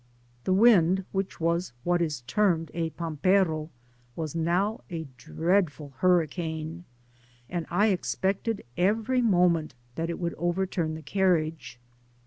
The wind, which was what is termed a Paizw p« o, was now a dreadful hurricane, and I ex* pected every moment that it would overturn the canriage.